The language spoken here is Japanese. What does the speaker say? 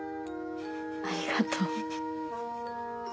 ありがとう。